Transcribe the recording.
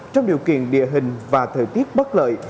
trong điều kiện địa hình và thời tiết bất lợi